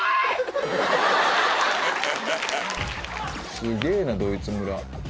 すげぇなドイツ村。